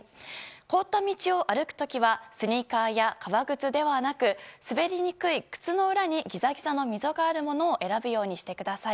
凍った道を歩く時はスニーカーや革靴ではなく滑りにくい靴の裏にギザギザの溝があるものを選ぶようにしてください。